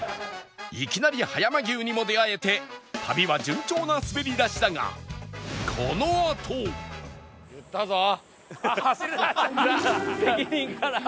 いきなり葉山牛にも出会えて旅は順調な滑り出しだがあっ走りだした責任から。